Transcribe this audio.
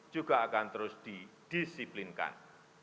juga akan terus didisiplinkan